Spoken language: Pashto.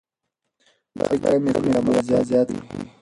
خبرې کمې کړئ عمل زیات کړئ.